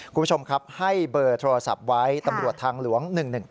คุณผู้ชมครับให้เบอร์โทรศัพท์ไว้ตำรวจทางหลวง๑๑๙